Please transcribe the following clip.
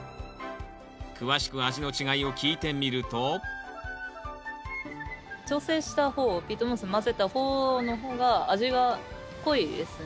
詳しく味の違いを聞いてみると調整した方ピートモス混ぜた方の方が味が濃いですね。